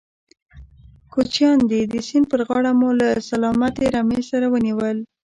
کوچيان دي، د سيند پر غاړه مو له سلامتې رمې سره ونيول.